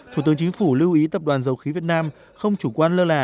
thủ tướng chính phủ lưu ý tập đoàn dầu khí việt nam không chủ quan lơ là